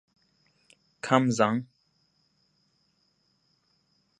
The rivalry grew more bitter than ever.